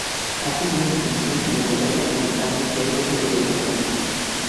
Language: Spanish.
Hace una distinción en la igualdad argumentando que hay dos interpretaciones.